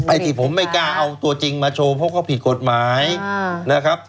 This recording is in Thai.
ที่ผมไม่กล้าเอาตัวจริงมาโชว์เพราะเขาผิดกฎหมายนะครับ